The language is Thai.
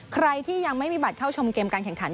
ใครที่ยังไม่มีบัตรเข้าชมเกมการแข่งขัน